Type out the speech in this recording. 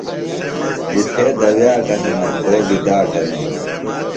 بُٹھے دوِیاٹہ ہِنہ کو بیۡ داٹہ نئینہ۔